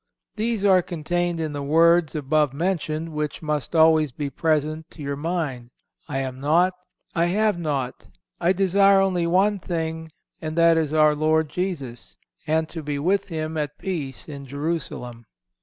These are contained in the words above mentioned, which must always be present to your mind, "I am naught, I have naught, I desire only one thing and that is our Lord Jesus, and to be with Him at peace in Jerusalem."